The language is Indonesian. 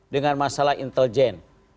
dengan masalah intelijen